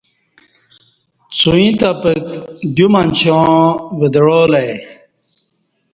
څوعیں تپک دیو منچاں وَدعالہ ای